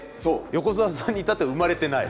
横澤さんに至っては生まれてない？